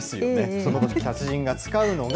そこで達人が使うのが。